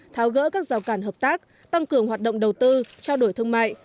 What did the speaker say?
tháo gỡ các rào cản hợp tác tăng cường hoạt động đầu tư trao đổi thương mại